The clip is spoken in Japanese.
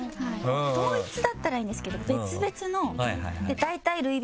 統一だったらいいんですけど別々の。